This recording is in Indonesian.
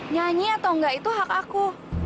nyanyi atau enggak itu hak aku